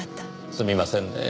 すみませんねぇ